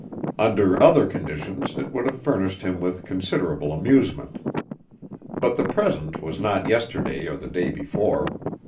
Under other conditions it would have furnished him with considerable amusement. But the present was not yesterday or the day before.